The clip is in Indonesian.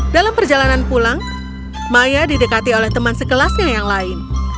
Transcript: dalam perjalanan pulang maya didekati oleh teman sekelasnya yang lain